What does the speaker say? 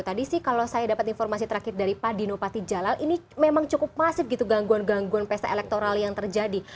tadi sih kalau saya dapat informasi terakhir dari pak dino patijalal ini memang cukup masif gitu gangguan gangguan pesta elektoral yang terjadi